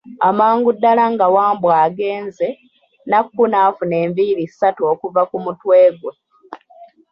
Amangu ddala nga Wambwa agenze, Nakku n'afuna enviiri ssatu okuva ku mutwe gwe.